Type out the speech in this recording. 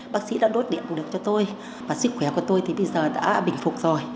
bác sĩ đã đốt điện được cho tôi và sức khỏe của tôi thì bây giờ đã bình phục rồi